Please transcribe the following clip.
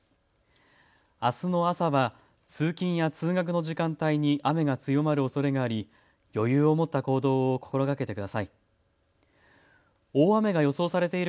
あすの朝は通勤や通学の時間帯に雨が強まるおそれがあり余裕を持った行動を心がけてください。